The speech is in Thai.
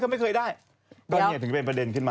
ก็นี่ถึงเป็นประเด็นขึ้นมา